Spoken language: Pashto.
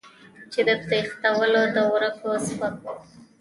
چې د تښتېدلو او ورکو سپکو